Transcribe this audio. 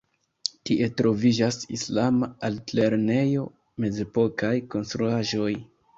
Tie troviĝas islama altlernejo, mezepokaj konstruaĵoj.